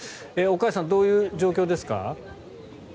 岡安さん、どういう状況ですか？